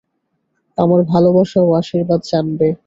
আমার ভালবাসা ও আশীর্বাদ জানবে।